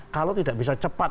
kalau tidak bisa cepat